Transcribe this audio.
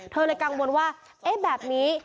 เธอเลยกังวลว่าเอ๊ะแบบนี้